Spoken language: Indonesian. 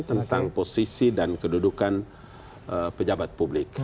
tentang posisi dan kedudukan pejabat publik